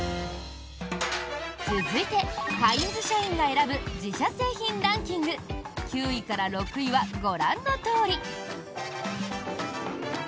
続いて、カインズ社員が選ぶ自社製品ランキング９位から６位はご覧のとおり。